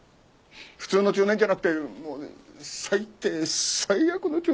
「普通の中年」じゃなくてもう「最低最悪の中年」です。